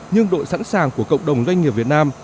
nhưng độ sẵn sàng của cộng đồng doanh nghiệp việt nam